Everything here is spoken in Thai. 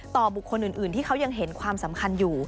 บุคคลอื่นที่เขายังเห็นความสำคัญอยู่